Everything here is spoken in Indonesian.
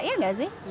iya gak sih